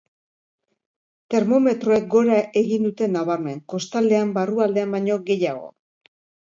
Termometroek gora egin dute nabarmen, kostaldean barrualdean baino gehiago.